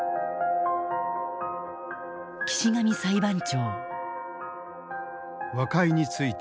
岸上裁判長。